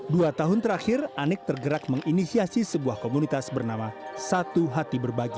dua tahun terakhir anik tergerak menginisiasi sebuah komunitas bernama satu hati berbagi